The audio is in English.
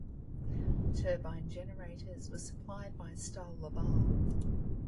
Turbine generators were supplied by Stal-Laval.